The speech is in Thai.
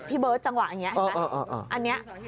พี่เบิศจังหวะอย่างนี้